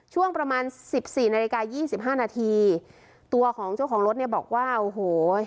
ช่วงประมาณสิบสี่นาฬิกายี่สิบห้านาทีตัวของเจ้าของรถเนี่ยบอกว่าโอ้โห